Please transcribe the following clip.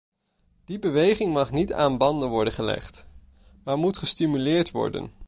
Die beweging mag niet aan banden worden gelegd, maar moet gestimuleerd worden.